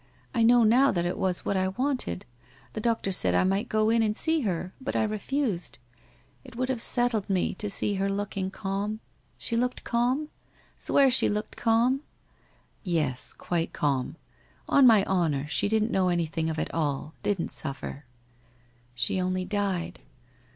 I know now that it was what I wanted. The doctor said I might go in and see her, but I refused. ... It would have settled me, to see her looking calm. She looked calm ? Swear she looked calm ?'' Yes, quite calm. On my honour she didn't know any thing of it all — didn't suffer.' ' She only died.